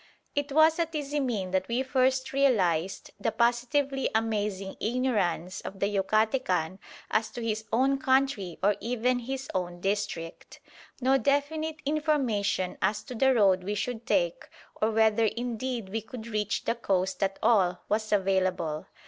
It was at Tizimin that we first realised the positively amazing ignorance of the Yucatecan as to his own country or even his own district. No definite information as to the road we should take, or whether indeed we could reach the coast at all, was available.